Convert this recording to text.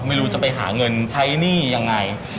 ไม่รู้จะไปหาเงินใช้หนี้ยังไง